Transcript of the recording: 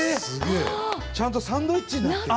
ちゃんとサンドイッチになってる。